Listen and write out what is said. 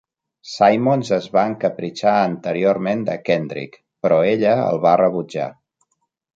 Simmons es va encapritxar anteriorment de Kendrick, però ella el va rebutjar.